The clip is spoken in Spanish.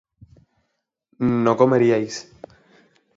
no comeríais